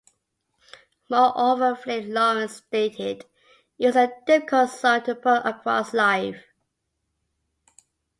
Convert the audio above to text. Moreover, Flake Lorenz stated it was a difficult song to put across live.